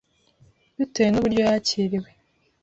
bitewe n’uburyo yakiriwe;